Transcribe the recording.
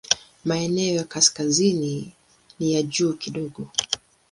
Maeneo ya kaskazini ni ya juu kidogo.